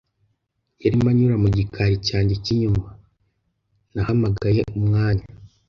yarimo anyura mu gikari cyanjye cy'inyuma. NahamagayeUmwanya,